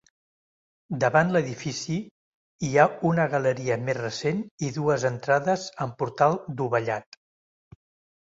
Davant l'edifici hi ha una galeria més recent i dues entrades amb portal dovellat.